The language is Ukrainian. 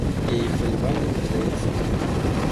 Її хвилювання передається мені.